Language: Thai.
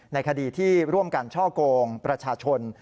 ในคดีที่ร่วมกันช่อกงประชาชน